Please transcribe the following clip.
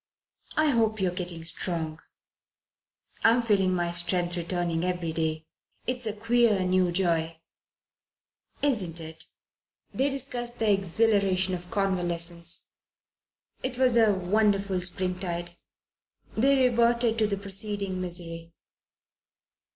I hope you're getting strong." "I'm feeling my strength returning every day. It's a queer new joy." "Isn't it?" They discussed the exhilaration of convalescence. It was a 'wonderful springtide. They reverted to the preceding misery.